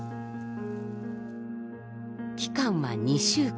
期間は２週間。